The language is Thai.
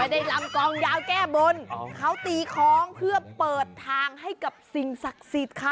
ได้ลำกลองยาวแก้บนเขาตีคล้องเพื่อเปิดทางให้กับสิ่งศักดิ์สิทธิ์ค่ะ